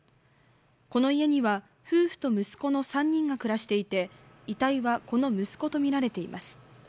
この家には夫婦と息子の３人が暮らしていて遺体は、この息子とみられています